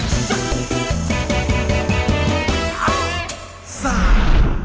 สุดท้าย